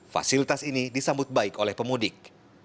fasilitas ini disambut baik oleh pemudik